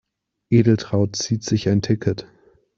Edeltraud zieht sich ein Ticket.